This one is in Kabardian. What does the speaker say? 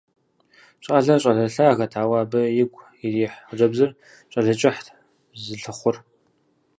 Щӏалэр щӏалэ лъагэт, ауэ абы игу ирихь хъыджэбзыр щӏалэ кӏыхьт зылъыхъур.